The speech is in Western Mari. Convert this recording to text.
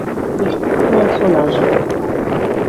Евтихинӓн солажы